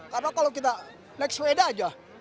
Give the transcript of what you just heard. karena kalau kita naik sepeda aja